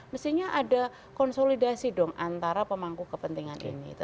mestinya ada konsolidasi dong antara pemangku kepentingan ini